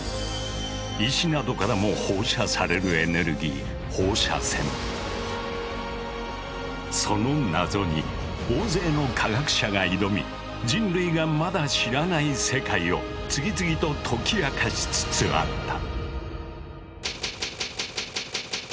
石などからも放射されるエネルギーその謎に大勢の科学者が挑み人類がまだ知らない世界を次々と解き明かしつつあった。